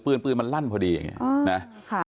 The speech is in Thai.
ต้องรู้ว่าได้เก็บขนาดหาคน